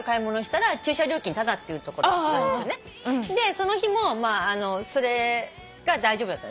その日もそれが大丈夫だった。